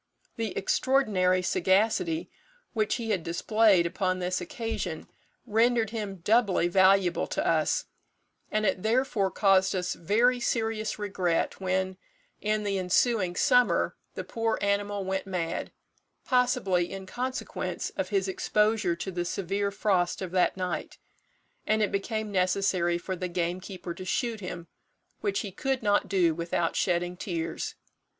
The extraordinary sagacity which he had displayed upon this occasion rendered him doubly valuable to us, and it therefore caused us very serious regret when, in the ensuing summer, the poor animal went mad, possibly in consequence of his exposure to the severe frost of that night, and it became necessary for the gamekeeper to shoot him, which he could not do without shedding tears.